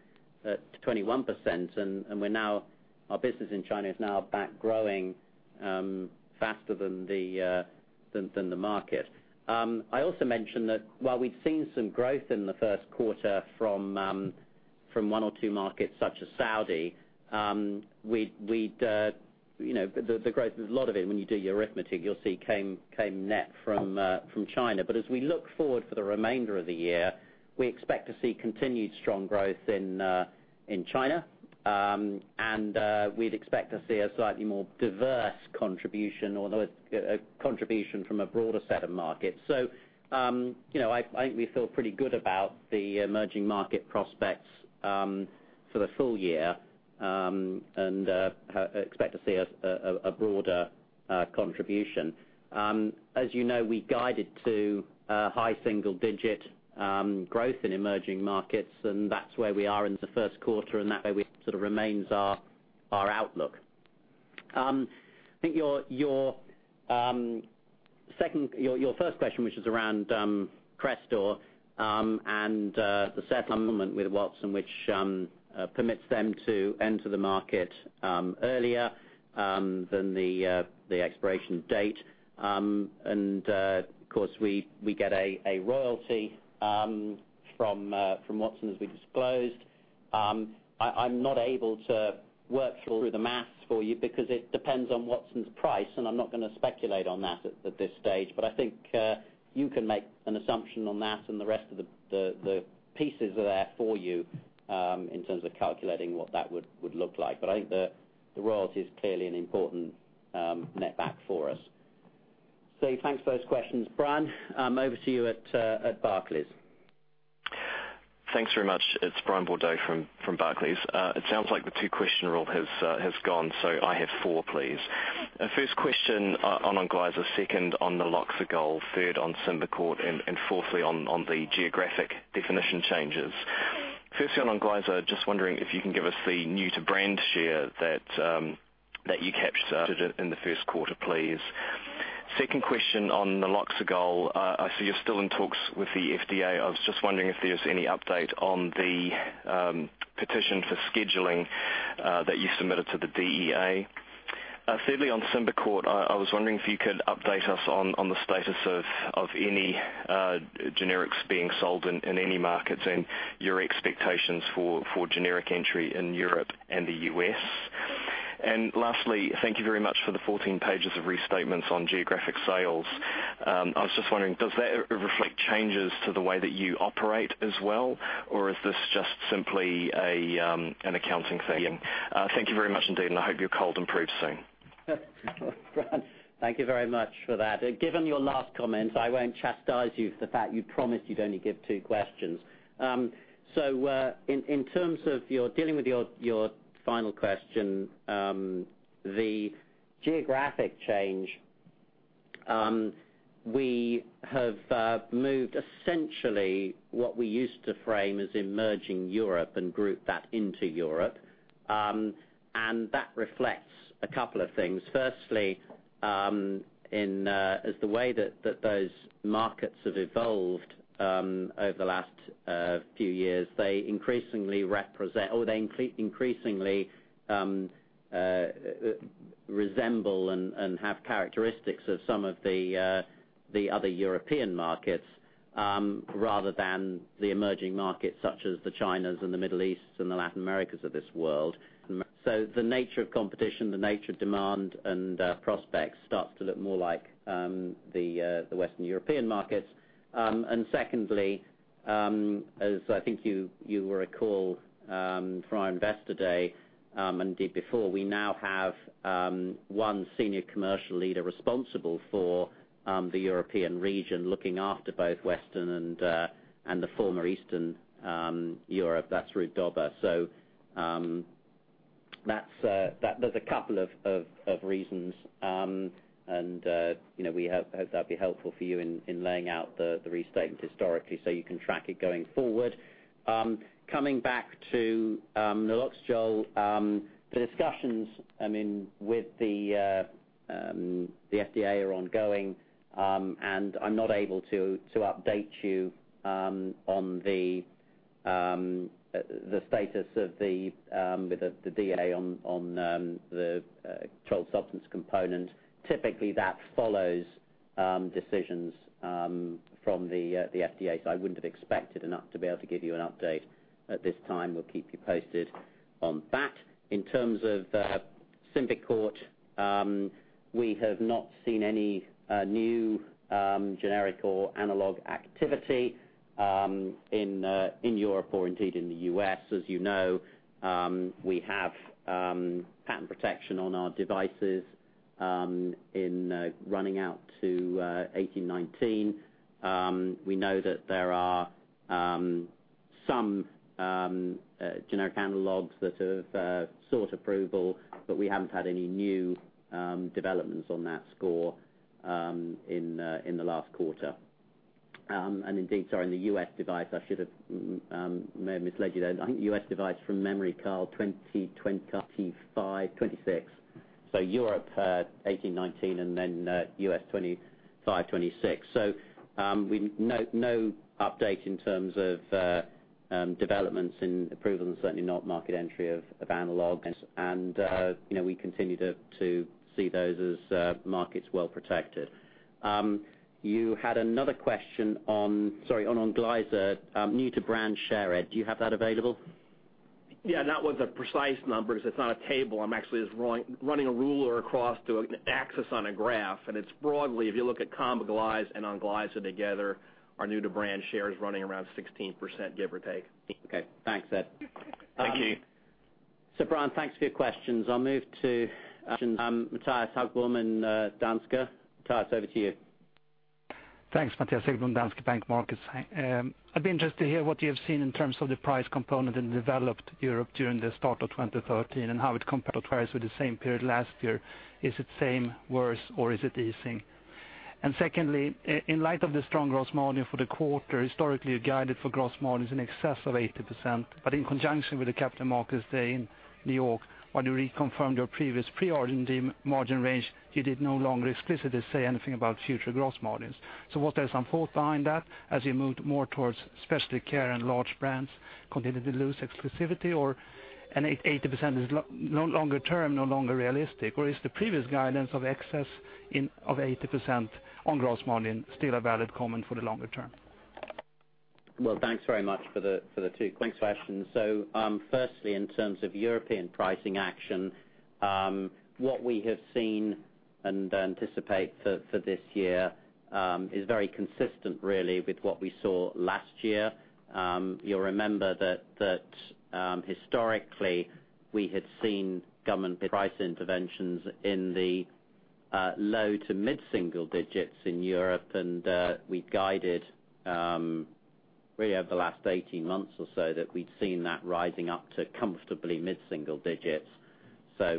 21%. Our business in China is now back growing faster than the market. I also mentioned that while we've seen some growth in the first quarter from one or two markets such as Saudi, we'd, you know, the growth, a lot of it, when you do your arithmetic, you'll see came net from China. As we look forward for the remainder of the year, we expect to see continued strong growth in China. We'd expect to see a slightly more diverse contribution, although a contribution from a broader set of markets. You know, I think we feel pretty good about the emerging market prospects for the full year, and expect to see a broader contribution. As you know, we guided to a high single-digit growth in emerging markets, and that's where we are in the first quarter, and that way we sort of remains our outlook. I think your first question, which is around CRESTOR, and the settlement with Watson, which permits them to enter the market earlier than the expiration date. And of course, we get a royalty from Watson, as we disclosed. I'm not able to work through the maths for you because it depends on Watson's price, and I'm not gonna speculate on that at this stage. I think you can make an assumption on that, and the rest of the pieces are there for you in terms of calculating what that would look like. I think the royalty is clearly an important net back for us. Steve, thanks for those questions. Brian, over to you at Barclays. Thanks very much. It's Brian Bourdot from Barclays. It sounds like the two-question rule has gone, so I have four, please. First question on ONGLYZA. Second on naloxegol. Third on SYMBICORT. Fourthly on the geographic definition changes. Firstly, on ONGLYZA, just wondering if you can give us the new to brand share that you captured it in the first quarter, please. Second question on naloxegol. I see you're still in talks with the FDA. I was just wondering if there's any update on the petition for scheduling that you submitted to the DEA. Thirdly, on SYMBICORT, I was wondering if you could update us on the status of any generics being sold in any markets and your expectations for generic entry in Europe and the U.S. Lastly, thank you very much for the 14 pages of restatements on geographic sales. I was just wondering, does that reflect changes to the way that you operate as well, or is this just simply an accounting thing? Thank you very much indeed, and I hope your cold improves soon. Brian, thank you very much for that. Given your last comments, I won't chastise you for the fact you promised you'd only give two questions. In terms of dealing with your final question, the geographic change, we have moved essentially what we used to frame as emerging Europe and group that into Europe, and that reflects a couple of things. Firstly, as the way that those markets have evolved over the last few years, they increasingly resemble and have characteristics of some of the other European markets, rather than the emerging markets such as the Chinas and the Middle Easts and the Latin Americas of this world. The nature of competition, the nature of demand and prospects starts to look more like the Western European markets. Secondly, as I think you will recall, from our investor day, indeed before, we now have one senior commercial leader responsible for the European region looking after both Western and the former Eastern Europe. That's Ruud Dobber. That's that there's a couple of reasons. You know, we hope that'd be helpful for you in laying out the restatement historically, so you can track it going forward. Coming back to naloxegol, the discussions with the FDA are ongoing, and I'm not able to update you on the status of the with the DEA on the controlled substance component. Typically, that follows decisions from the FDA. I wouldn't have expected enough to be able to give you an update at this time. We'll keep you posted on that. In terms of SYMBICORT, we have not seen any new generic or analog activity in Europe or indeed in the U.S. As you know, we have patent protection on our devices running out to 18-19. We know that there are some generic analogs that have sought approval, but we haven't had any new developments on that score in the last quarter. Indeed, sorry, in the U.S. device, I should have, may have misled you there. I think U.S. device from memory, Karl, 2025, 2026. Europe, 2018, 2019, and then U.S., 2025, 2026. No update in terms of developments in approval and certainly not market entry of analog. You know, we continue to see those as markets well-protected. You had another question on, sorry, on ONGLYZA, new to brand share Ed. Do you have that available? Yeah. Not with the precise numbers. It's not a table. I'm actually just running a ruler across to an axis on a graph, and it's broadly, if you look at KOMBIGLYZE and ONGLYZA together, our new to brand share is running around 16%, give or take. Okay. Thanks, Ed. Thank you. Brian, thanks for your questions. I'll move to Mattias Häggblom in Danske. Mattias, over to you. Thanks. Mattias Häggblom, Danske Bank Markets. I'd be interested to hear what you have seen in terms of the price component in developed Europe during the start of 2013 and how it compares with the same period last year. Is it same, worse, or is it easing? Secondly, in light of the strong gross margin for the quarter, historically, you guided for gross margin is in excess of 80%. In conjunction with the capital markets day in New York, while you reconfirmed your previous pre-R&D margin range, you did no longer explicitly say anything about future gross margins. Was there some thought behind that as you moved more towards specialty care and large brands continue to lose exclusivity or an 80% is longer term, no longer realistic? Is the previous guidance of excess of 80% on gross margin still a valid comment for the longer term? Well, thanks very much for the two quick questions. Firstly, in terms of European pricing action, what we have seen and anticipate for this year, is very consistent really with what we saw last year. You'll remember that historically we had seen government price interventions in the low to mid-single digits in Europe. We guided really over the last 18 months or so, that we'd seen that rising up to comfortably mid-single digits.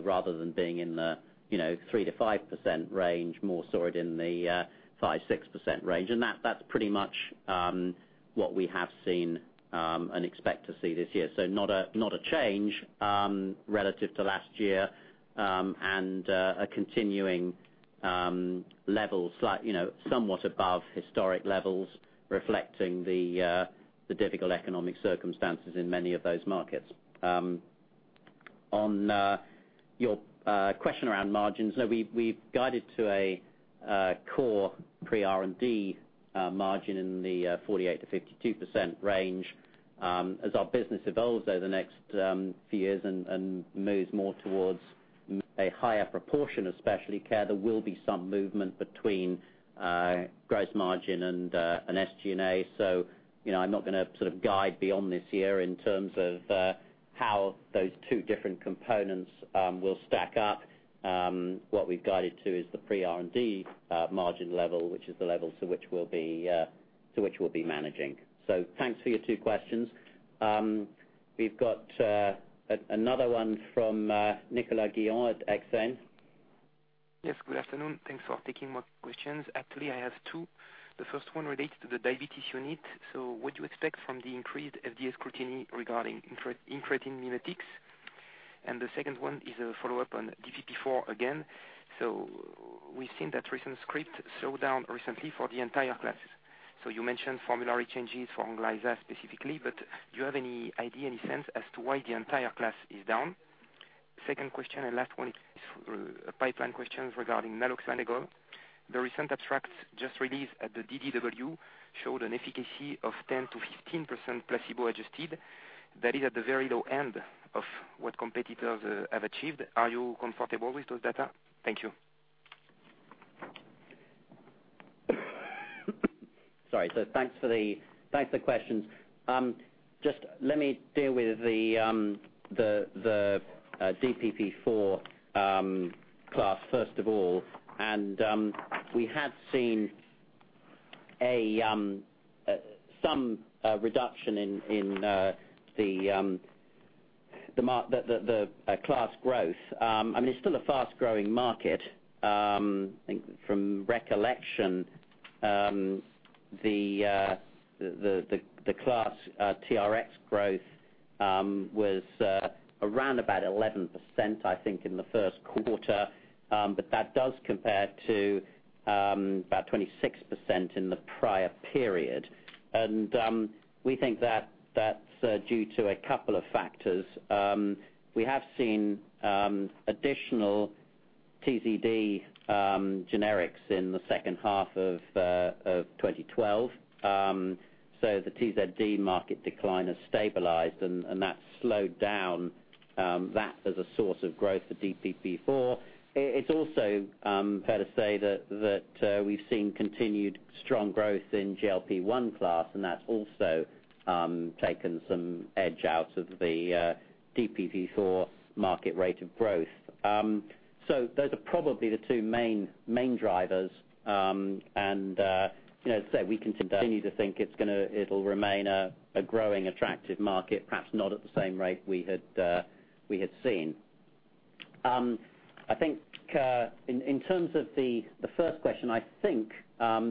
Rather than being in the, you know, 3%-5% range, more sort in the 5%-6% range. That's pretty much what we have seen and expect to see this year. Not a, not a change relative to last year, and a continuing level, you know, somewhat above historic levels reflecting the difficult economic circumstances in many of those markets. On your question around margins, we've guided to a core pre-R&D margin in the 48%-52% range. As our business evolves over the next few years and moves more towards a higher proportion of specialty care, there will be some movement between gross margin and SG&A. You know, I'm not gonna sort of guide beyond this year in terms of how those two different components will stack up. What we've guided to is the pre-R&D margin level, which is the level to which we'll be to which we'll be managing. Thanks for your two questions. We've got another one from Nicolas Guyon-Gellin at Exane. Yes, good afternoon. Thanks for taking my questions. Actually, I have two. The first one relates to the diabetes unit. What do you expect from the increased FDA scrutiny regarding incretin mimetics? The second one is a follow-up on DPP-4 again. We've seen that recent script slow down recently for the entire class. You mentioned formulary changes for ONGLYZA specifically, do you have any idea, any sense as to why the entire class is down? Second question and last one is a pipeline question regarding naloxegol. The recent abstracts just released at the DDW showed an efficacy of 10% to 15% placebo adjusted. That is at the very low end of what competitors have achieved. Are you comfortable with those data? Thank you. Sorry. Thanks for the questions. Just let me deal with the DPP-4 class first of all. We have seen a reduction in the class growth. I mean, it's still a fast-growing market. I think from recollection, the class TRx growth was around about 11%, I think, in the first quarter. That does compare to about 26% in the prior period. We think that's due to a couple of factors. We have seen additional TZD generics in the second half of 2012. The TZD market decline has stabilized, and that slowed down that as a source of growth for DPP-4. It's also fair to say that we've seen continued strong growth in GLP-1 class, and that's also taken some edge out of the DPP-4 market rate of growth. Those are probably the two main drivers. You know, as I say, we continue to think it'll remain a growing attractive market, perhaps not at the same rate we had seen. I think, in terms of the first question, I think,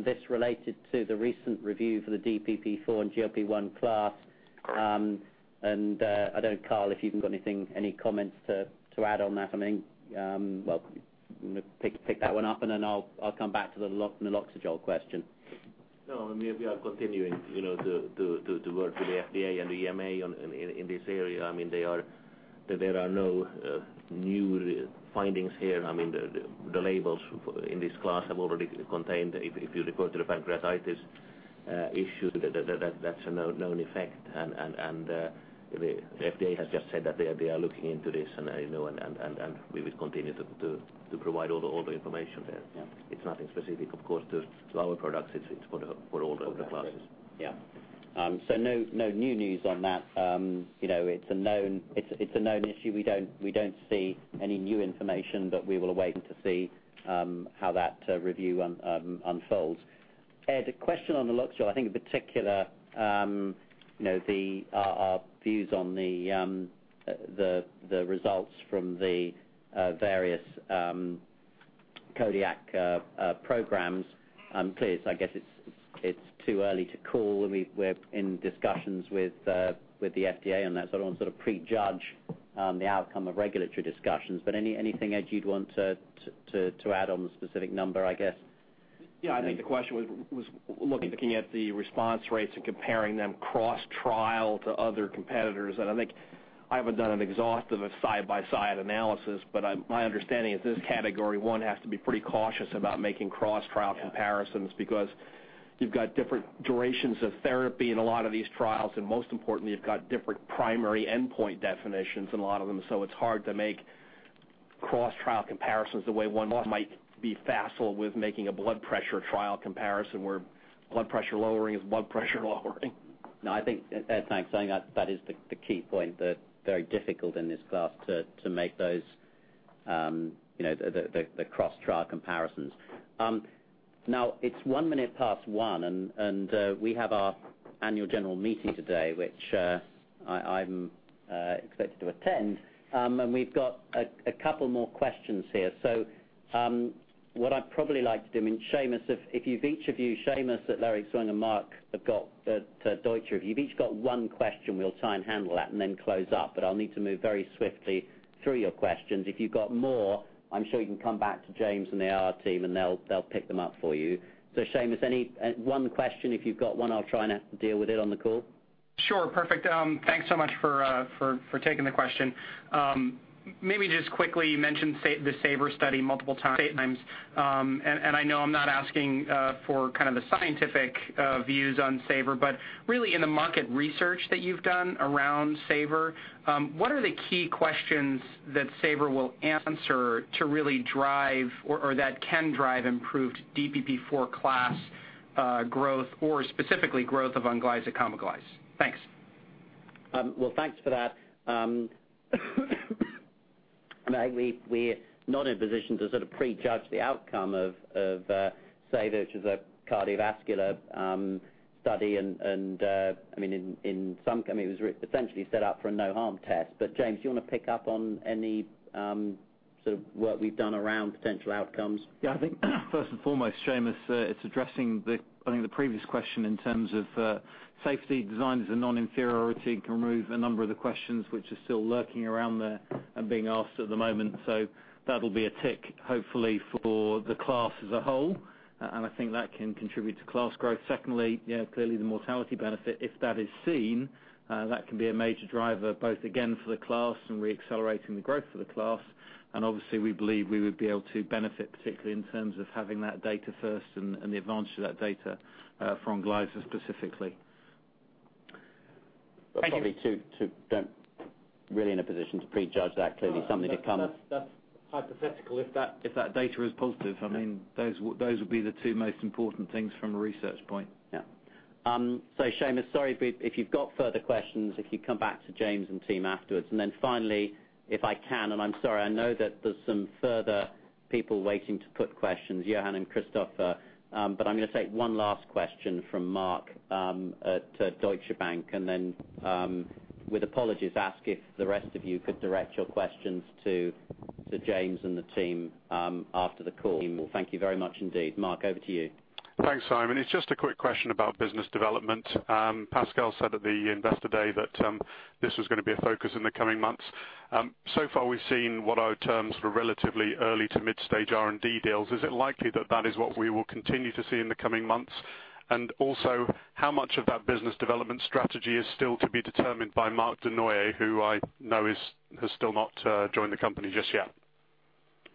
this related to the recent review for the DPP-4 and GLP-1 class. I don't know, Karl, if you've got anything, any comments to add on that. I mean, well, pick that one up, and then I'll come back to the naloxegol question. No, I mean, we are continuing, you know, to work with the FDA and the EMA in this area. I mean, there are no new findings here. I mean, the labels in this class have already contained, if you refer to the pancreatitis issue, that's a known effect. The FDA has just said that they are looking into this, and I know, and we would continue to provide all the information there. Yeah. It's nothing specific, of course, to our products. It's for all the classes. All the classes, yeah. No, no new news on that. You know, it's a known issue. We don't see any new information, but we will await to see how that review unfolds. Ed, a question on the naloxegol. I think in particular, you know, our views on the results from the various KODIAC programs. Please, I guess it's too early to call. I mean, we're in discussions with the FDA on that, so I don't wanna sort of prejudge the outcome of regulatory discussions. But anything, Ed, you'd want to add on the specific number, I guess? Yeah, I think the question was looking at the response rates and comparing them cross-trial to other competitors. I think I haven't done an exhaustive side-by-side analysis, but my understanding is this category 1 has to be pretty cautious about making cross-trial comparisons. Yeah. You've got different durations of therapy in a lot of these trials, and most importantly, you've got different primary endpoint definitions in a lot of them. It's hard to make cross-trial comparisons the way one might be facile with making a blood pressure trial comparison, where blood pressure lowering is blood pressure lowering. No, I think, Ed, thanks. I think that is the key point, very difficult in this class to make those, you know, the cross-trial comparisons. Now it's one minute past 1:00, and we have our annual general meeting today, which I'm expected to attend. We've got a couple more questions here. What I'd probably like to do, I mean, Seamus, if you've each of you, Seamus at Leerink Swann and Mark have got at Deutsche Bank, if you've each got one question, we'll try and handle that and then close up. I'll need to move very swiftly through your questions. If you've got more, I'm sure you can come back to James and the IR team, and they'll pick them up for you. Seamus, any one question, if you've got one, I'll try and deal with it on the call. Sure. Perfect. Thanks so much for taking the question. Maybe just quickly, you mentioned the SAVOR study multiple times. I know I'm not asking for kind of the scientific views on SAVOR, but really in the market research that you've done around SAVOR, what are the key questions that SAVOR will answer to really drive or that can drive improved DPP-4 class growth or specifically growth of ONGLYZA, KOMBIGLYZE? Thanks. Well, thanks for that. I think we're not in a position to sort of prejudge the outcome of SAVOR, which is a cardiovascular study and I mean, in some I mean, it was essentially set up for a no-harm test. James, do you wanna pick up on any sort of work we've done around potential outcomes? I think first and foremost, Seamus, it's addressing the, I think the previous question in terms of safety. Design is a non-inferiority, can remove a number of the questions which are still lurking around there and being asked at the moment. That'll be a tick, hopefully, for the class as a whole, and I think that can contribute to class growth. Secondly, clearly the mortality benefit, if that is seen, that can be a major driver, both again for the class and re-accelerating the growth for the class. Obviously, we believe we would be able to benefit particularly in terms of having that data first and the advantage of that data for ONGLYZA specifically. Probably don't really in a position to prejudge that. Clearly something to come. That's hypothetical. If that, if that data is positive, I mean, those would be the two most important things from a research point. Yeah. Seamus Fernandez, sorry, but if you've got further questions, if you come back to James Gordon and team afterwards. Finally, if I can, I'm sorry, I know that there's some further people waiting to put questions, Johan and Christopher, I'm gonna take one last question from Mark at Deutsche Bank, with apologies, ask if the rest of you could direct your questions to James and the team after the call. Thank you very much indeed. Mark, over to you. Thanks, Simon. It's just a quick question about business development. Pascal said at the Investor Day that this was gonna be a focus in the coming months. So far, we've seen what I would term sort of relatively early to mid-stage R&D deals. Is it likely that that is what we will continue to see in the coming months? How much of that business development strategy is still to be determined by Marc Dunoyer, who I know has still not joined the company just yet?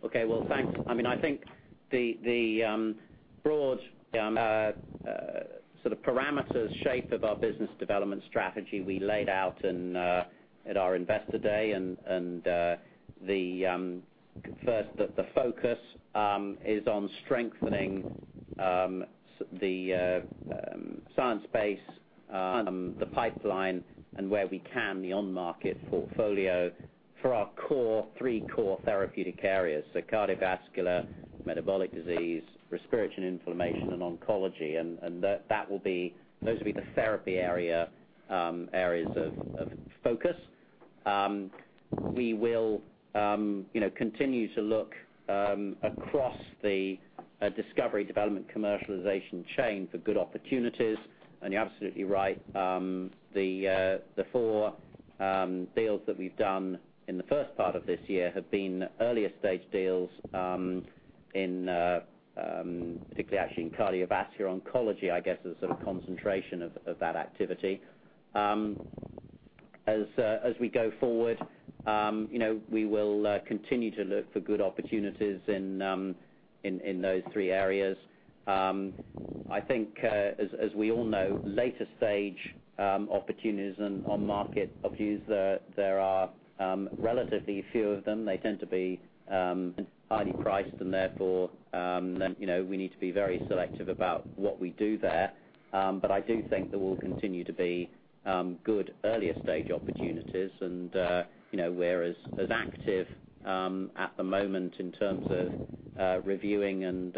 Okay. Well, thank you. I mean, I think the broad sort of parameters shape of our business development strategy we laid out at our Investor Day and the first, the focus is on strengthening the science base, the pipeline, and where we can, the on-market portfolio for our core, three core therapeutic areas, so cardiovascular, metabolic disease, respiratory and inflammation, and oncology. That will be, those will be the therapy area areas of focus. We will, you know, continue to look across the discovery development commercialization chain for good opportunities. You're absolutely right. The four deals that we've done in the first part of this year have been earlier stage deals, in, particularly actually in cardiovascular oncology, I guess, is sort of concentration of that activity. As we go forward, you know, we will continue to look for good opportunities in those three areas. I think, as we all know, later stage opportunities and on-market opportunities, there are relatively few of them. They tend to be highly priced, and therefore, you know, we need to be very selective about what we do there. But I do think there will continue to be good earlier stage opportunities and, you know, we're as active at the moment in terms of reviewing and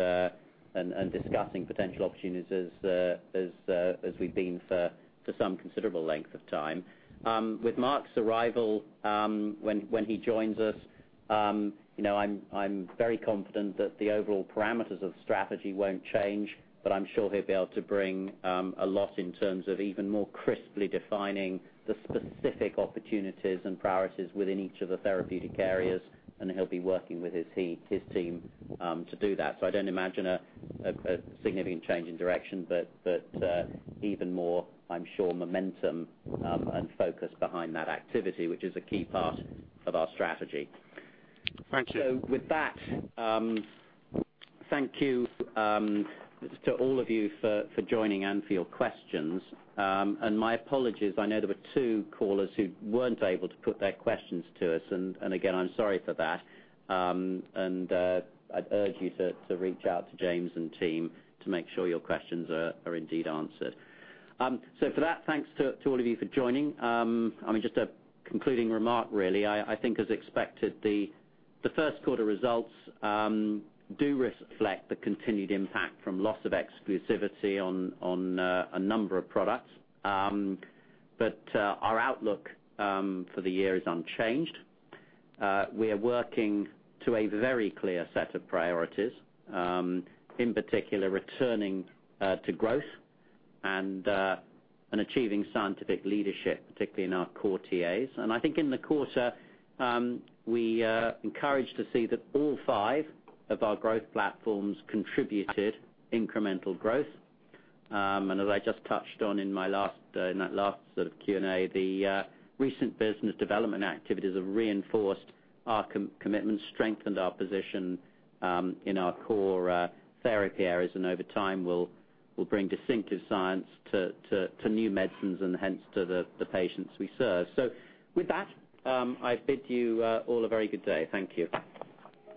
discussing potential opportunities as we've been for some considerable length of time. With Marc's arrival, when he joins us, you know, I'm very confident that the overall parameters of strategy won't change, but I'm sure he'll be able to bring a lot in terms of even more crisply defining the specific opportunities and priorities within each of the therapeutic areas, and he'll be working with his team to do that. I don't imagine a significant change in direction, but even more, I'm sure, momentum and focus behind that activity, which is a key part of our strategy. Thank you. With that, thank you to all of you for joining and for your questions. My apologies, I know there were two callers who weren't able to put their questions to us. Again, I'm sorry for that. I'd urge you to reach out to James and team to make sure your questions are indeed answered. For that, thanks to all of you for joining. I mean, just a concluding remark, really. I think as expected, the 1st quarter results do reflect the continued impact from loss of exclusivity on a number of products. Our outlook for the year is unchanged. We are working to a very clear set of priorities, in particular, returning to growth and achieving scientific leadership, particularly in our core TAs. I think in the quarter, we are encouraged to see that all five of our growth platforms contributed incremental growth. As I just touched on in my last in that last sort of Q&A, the recent business development activities have reinforced our commitment, strengthened our position in our core therapy areas, and over time, we'll bring distinctive science to new medicines and hence to the patients we serve. With that, I bid you all a very good day. Thank you.